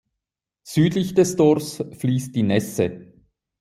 Südlich des Dorfs fließt die Nesse.